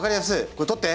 これ撮って！